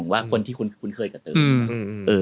ว่าคนที่คุณเคยชื่อเต๋อ